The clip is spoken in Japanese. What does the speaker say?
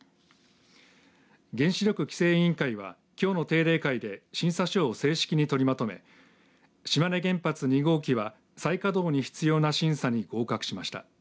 原子力規制委員会はきょうの定例会で審査書を正式に取りまとめ島根原発２号機は再稼働に必要な審査に合格しました。